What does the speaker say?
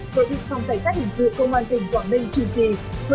bởi vị phòng tài xác hình sự công an tỉnh quảng minh truy trì